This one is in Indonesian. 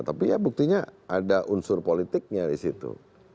tapi ya buktinya ada unsur politiknya disitu